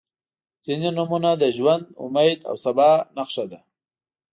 • ځینې نومونه د ژوند، امید او سبا نښه ده.